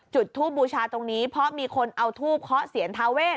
จุดทูบบูชาตรงนี้เพราะมีคนเอาทูบเคาะเสียงทาเวท